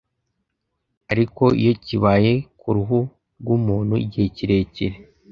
ariko iyo kibaye ku ruhu rw’umuntu igihe kirekire